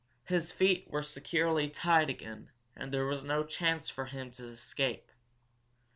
His feet were securely tied again, and there was no chance for him to escape.